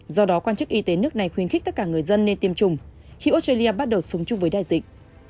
do đó quan chức y tế nước này khuyến khích tất cả người dân nên tiêm chủng khi australia bắt đầu sống chung với đại dịch